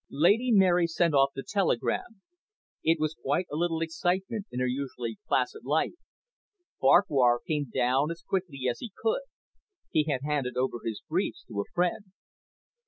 Lady Mary sent off the telegram. It was quite a little excitement in her usually placid life. Farquhar came down as quickly as he could. He had handed over his briefs to a friend.